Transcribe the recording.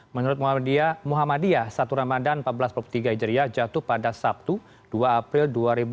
menurut muhammadiyah satu ramadan seribu empat ratus empat puluh tiga hijriah jatuh pada sabtu dua april dua ribu dua puluh